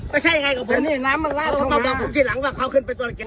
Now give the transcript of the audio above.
ไม่ใช่ยังไงครับผมนี่น้ำมันราดของมันน้ำมาบอกพวกที่หลังว่าเขาขึ้นไปตัวละเกียรติ